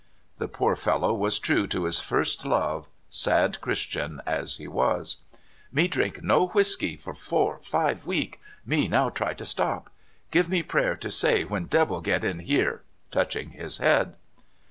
The poor fellow was true to his first love, sad Christian as he was. " Me drink no whisky for four, five week, — me now try to stop. Give me prayer to say when debbil get in here," touching his head.